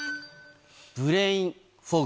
ブレインフォグ。